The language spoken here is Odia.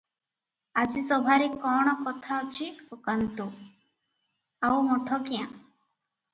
ଆଜି ସଭାରେ କଣ କଥା ଅଛି ପକାନ୍ତୁ, ଆଉ ମଠ କ୍ୟାଁ?"